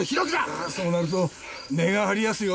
ああそうなると値が張りやすよ？